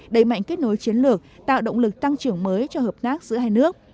đẩy mạnh kết nối chiến lược tạo động lực tăng trưởng mới cho hợp tác giữa hai nước